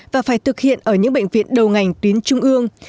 và phải thực hiện ở những bệnh viện đầu ngành tuyến trung ương